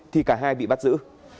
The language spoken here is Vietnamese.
thì cả hai bị bắt giữ